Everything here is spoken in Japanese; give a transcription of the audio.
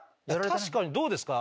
確かにどうですか？